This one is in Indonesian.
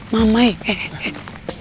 mama ih eh eh eh